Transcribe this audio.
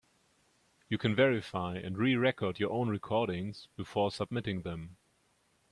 You can verify and re-record your own recordings before submitting them.